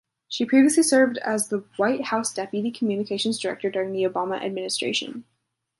She previously served as the White House deputy communications director during the Obama Administration.